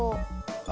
あ！